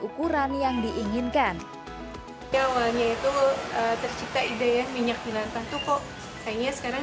ukuran yang diinginkan ya awalnya itu tercipta ide minyak jelantah tuh kok kayaknya sekarang